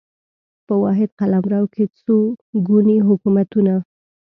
په واحد قلمرو کې څو ګوني حکومتونه